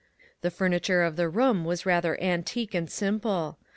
The fur niture of the room was rather antique and simple.